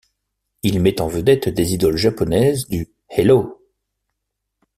Il met en vedette des idoles japonaises du Hello!